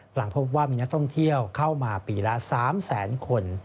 หลังพบว่ามีนักท่องเที่ยวเข้ามาปีละ๓แสนคน